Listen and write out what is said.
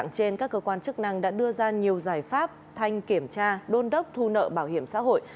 thành pháp thanh kiểm tra đôn đốc thu nợ bảo hiểm xã hội